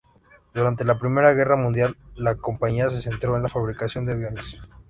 Durante la Primera Guerra Mundial la compañía se centró en la fabricación de aviones.